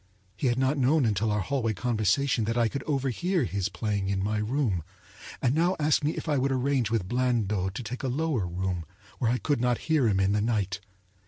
He had not known until our hallway conversation that I could overhear his playing in my room, and now asked me if I would arrange with Blandot to take a lower room where I could not hear him in the night.